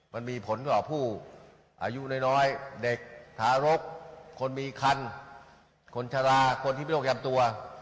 มันมีผลต่อผู้อายุน้อยเด็กทารกคนมีคันคนชะลาคนที่มีโรคประจำตัว